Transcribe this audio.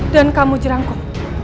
dan kamu jerangkong